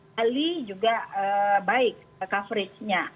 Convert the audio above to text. bali juga baik coveragenya